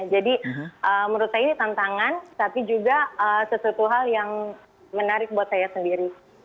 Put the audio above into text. jadi menurut saya ini tantangan tapi juga sesuatu hal yang menarik buat saya sendiri